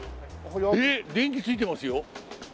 えっ電気ついてますよ。